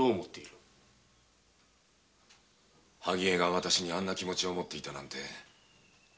萩絵がわたしにあんな気持ちをもっていたなんて。